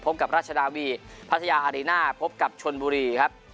กับราชนาวีพัทยาอารีน่าพบกับชนบุรีครับ